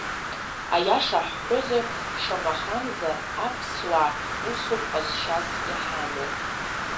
Аиаша ҳҳәозар шамахамзар аԥсуаа усоуп ҟазшьас иҳамоу.